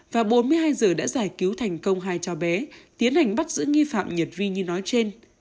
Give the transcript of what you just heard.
và bốn mươi hai giờ đã giải cứu thành công hai cháu bé tiến hành bắt giữ nghi phạm nhật vi như nói trên